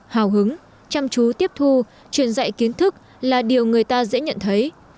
hào hứng chăm chú tiếp thu truyền dạy kiến thức là điều người ta dễ nhận thấy